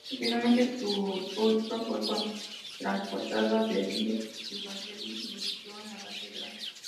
Posteriormente el sepulcro fue transportado a Sevilla y Fancelli lo situó en la catedral.